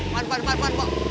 mohon dikit pak